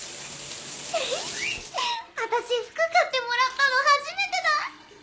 ヘヘッあたし服買ってもらったの初めてだ。